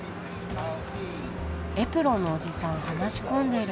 エプロンのおじさん話し込んでる。